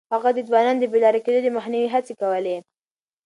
هغه د ځوانانو د بې لارې کېدو د مخنيوي هڅې کولې.